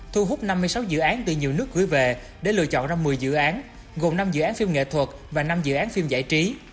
thu hút năm mươi sáu dự án từ nhiều nước gửi về để lựa chọn ra một mươi dự án gồm năm dự án phim nghệ thuật và năm dự án phim giải trí